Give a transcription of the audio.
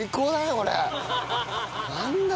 これ。